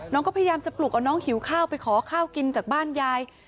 น้องก็พยายามจะปลุกเอาน้องหิวข้าวไปขอข้าวกินจากบ้านยาย